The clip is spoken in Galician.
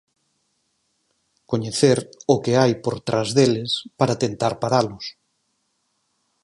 Coñecer "o que hai por tras deles" para tentar "paralos".